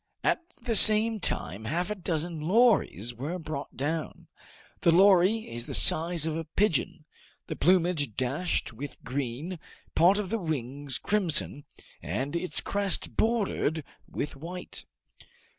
At the same time half a dozen lories were brought down. The lory is of the size of a pigeon, the plumage dashed with green, part of the wings crimson, and its crest bordered with white.